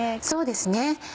そうですね